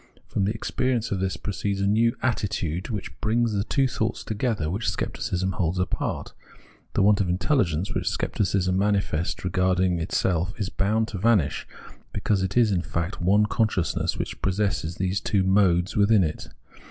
From the experience of this proceeds a new attitude which brings the two thoughts together which Scepticism holds apart. The want of intelhgence which Scepticism manifests regarding itself is bound to vanish, because it is in fact one consciousness which possesses these two modes wjthin it.